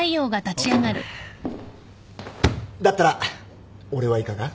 だったら俺はいかが？